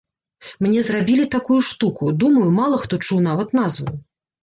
Мне зрабілі такую штуку, думаю, мала хто чуў нават назву.